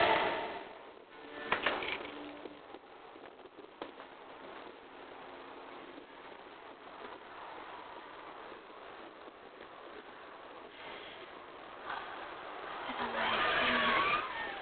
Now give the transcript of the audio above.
うん焦らない焦らない